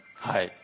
はい。